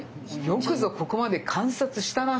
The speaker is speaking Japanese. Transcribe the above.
よくぞここまで観察したな！